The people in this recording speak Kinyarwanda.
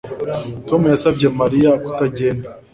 Tom yasabye Mariya kutagenda